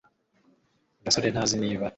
gasore ntazi niba